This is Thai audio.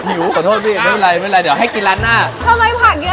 ผิวขอโทษไม่เป็นไรแมนเดี๋ยวให้กินร้านหน้า